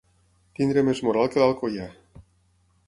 Tenir més moral que l'Alcoià.